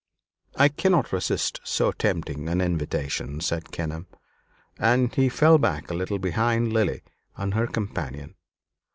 "I cannot resist so tempting an invitation," said Kenelm, and he fell back a little behind Lily and her companion.